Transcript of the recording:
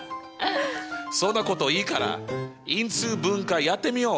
そんなこといいから因数分解やってみよう！